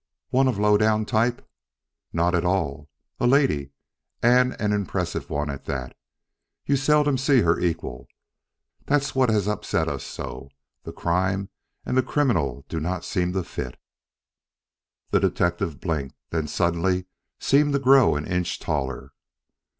One of a low down type?" "Not at all. A lady, and an impressive one, at that. You seldom see her equal. That's what has upset us so. The crime and the criminal do not seem to fit." The detective blinked. Then suddenly he seemed to grow an inch taller.